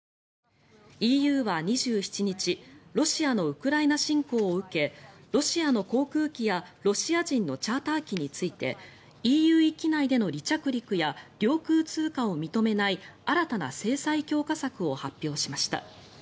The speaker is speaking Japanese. ＥＵは２７日ロシアのウクライナ侵攻を受けロシアの航空機やロシア人のチャーター機についてＥＵ域内での離着陸や領空通過を認めない新たな制裁強化策を発表しました。